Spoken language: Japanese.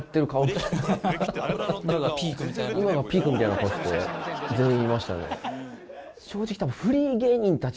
今がピークみたいな顔して全員いましたね。